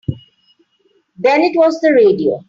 Then it was the radio.